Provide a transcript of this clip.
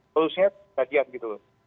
polisinya bagian gitu loh